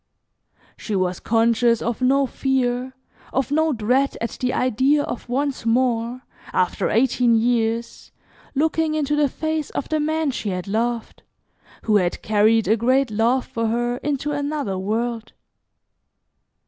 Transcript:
She was conscious of no fear, of no dread at the idea of once more, after eighteen years, looking into the face of the man she had loved, who had carried a great love for her into another world.